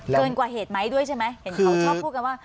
เกินกว่าเหตุไหมด้วยใช่ไหมเห็นเขาชอบพูดกันว่า